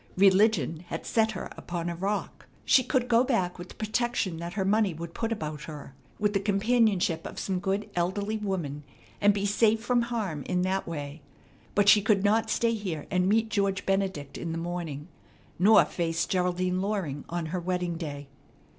Religion had set her upon a rock. She could go back with the protection that her money would put about her, with the companionship of some good, elderly woman, and be safe from harm in that way; but she could not stay here and meet George Benedict in the morning, nor face Geraldine Loring on her wedding day.